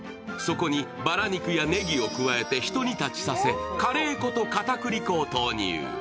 そこにばら肉やねぎを加えてひと煮立ちさせ、カレー粉とかたくり粉を投入。